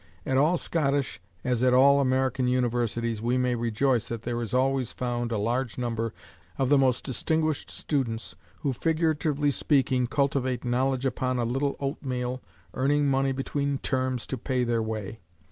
At all Scottish, as at all American universities, we may rejoice that there is always found a large number of the most distinguished students, who, figuratively speaking, cultivate knowledge upon a little oatmeal, earning money between terms to pay their way.